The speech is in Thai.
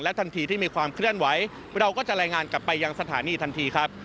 ทันทีที่มีความเคลื่อนไหวเราก็จะรายงานกลับไปยังสถานีทันทีครับ